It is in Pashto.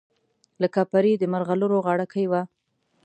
لکه پرې د مرغلرو غاړګۍ وه